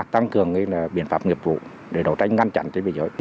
tăng cường biện pháp nghiệp vụ để đấu tranh ngăn chặn tình hình dưới